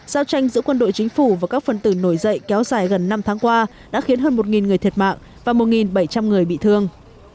giao tranh giữa quân đội chính phủ và các phân tử nổi dậy kéo dài gần năm tháng qua đã khiến hơn một người thiệt mạng và một bảy trăm linh người bị thương